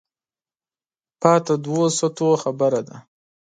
پاتې دوو سطحو خبره ده.